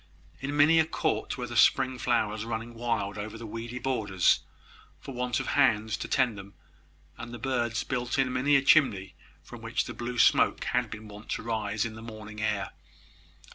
In many a court were the spring flowers running wild over the weedy borders, for want of hands to tend them; and the birds built in many a chimney from which the blue smoke had been wont to rise in the morning air.